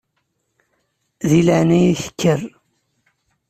Di leɛnaya-k kker.